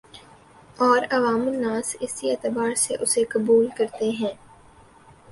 اور عوام الناس اسی اعتبار سے اسے قبول کرتے ہیں